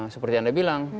seperti anda bilang